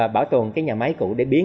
bảo tồn cái nhà máy cũ để biến